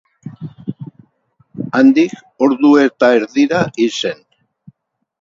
Handik ordu eta erdira hil zen.